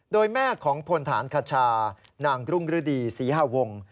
โดยแม่ของพนฐานคชานางกรุงฤดี๔๕วง